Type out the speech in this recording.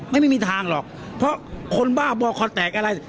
ไม่มีทางหรอกเพราะคนบ้าบ่อคอแตกอะไร